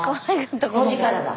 ５時からだ。